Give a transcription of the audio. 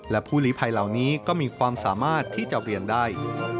และผู้หลีภัยเหล่านี้ก็มีความสามารถที่จะเรียนได้